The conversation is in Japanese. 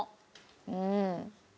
うん。